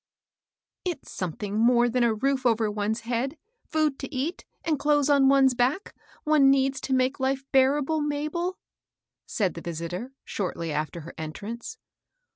I T'S swiething more thw a roof over one's head) food to eat, axid clothes on one's back, one needs to make life bearable, Mabel," said the visitor, shortly after her entrance.